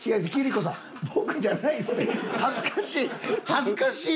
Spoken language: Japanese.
恥ずかしい！